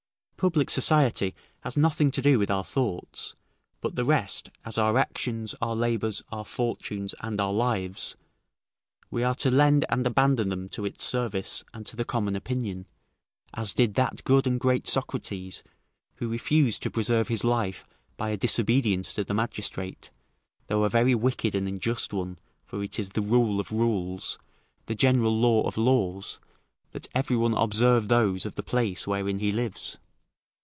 Public society has nothing to do with our thoughts, but the rest, as our actions, our labours, our fortunes, and our lives, we are to lend and abandon them to its service and to the common opinion, as did that good and great Socrates who refused to preserve his life by a disobedience to the magistrate, though a very wicked and unjust one for it is the rule of rules, the general law of laws, that every one observe those of the place wherein he lives.